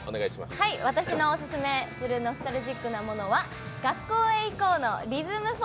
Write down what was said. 私のオススメするノスタルジックなものは、「学校へ行こう！」のリズム４